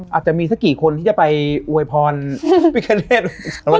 อาจจะมีสักกี่คนที่จะไปอวยพรพิคาร์เนสล่าสุด